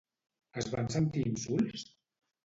Es van sentir insults?